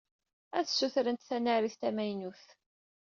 Ad ssutrent tanarit tamaynut.